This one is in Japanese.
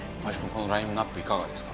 このラインナップいかがですか？